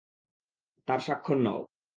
তার স্বাক্ষর নাও।